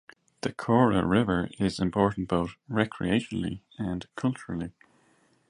The Caura River is important both recreationally and culturally.